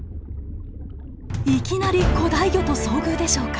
いきなり古代魚と遭遇でしょうか？